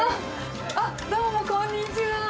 あっ、どうもこんにちは。